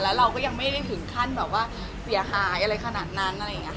แล้วเราก็ยังไม่ได้ถึงขั้นแบบว่าเสียหายอะไรขนาดนั้นอะไรอย่างนี้ค่ะ